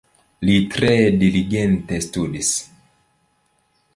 Li tre diligente studis.